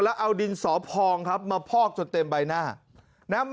แล้วเอาดินสอพองมาพอกจนเต็มใบหน้า